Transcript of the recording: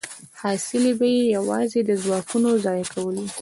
حاصل به یې یوازې د ځواکونو ضایع کول وي